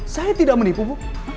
saya tidak menipu bu